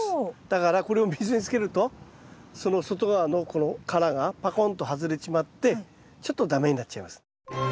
だからこれを水につけるとその外側のこの殻がパコンと外れちまってちょっと駄目になっちゃいます。